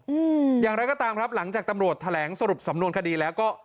อืมอย่างไรก็ตามครับหลังจากตำรวจแถลงสรุปสำนวนคดีแล้วก็